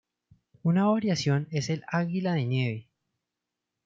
Una variación es el águila de nieve.